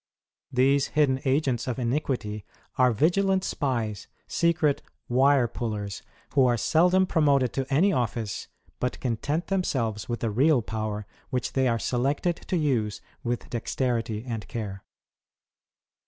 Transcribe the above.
These hidden agents of iniquity are vigilant spies, secret " wire pullers," who are seldom promoted 5S WAR OF ANTICHRIST WITH THE CHURCH. to any ofl&ce, but content themselves with the real power which they are selected to use with dexterity and care.